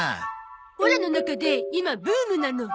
オラの中で今ブームなの。